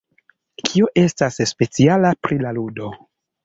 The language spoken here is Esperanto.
Kio estas speciala pri la ludo?